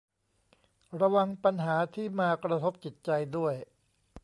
ระวังปัญหาที่มากระทบจิตใจด้วย